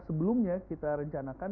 sebelumnya kita rencanakan